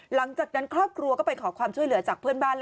หลังจากนั้นครอบครัวก็ไปขอความช่วยเหลือจากเพื่อนบ้าน